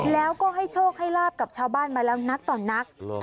แล้วก็ให้โชคให้ลาบกับชาวบ้านมาแล้วนักต่อนัก